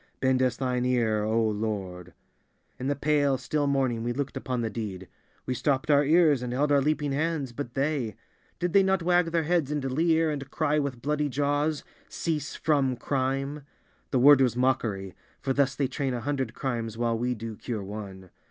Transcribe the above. Bend us Thine ear, O Lord! In the pale, still morning we looked upon the deed. We stopped our ears and held our leaping hands, but they—did they not wag their heads and leer and cry with bloody jaws: Cease from Crime! The word was mockery, for thus they train a hundred crimes while we do cure one.